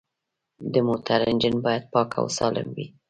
د موټر انجن باید پاک او سالم وي.